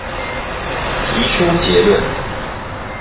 提出結論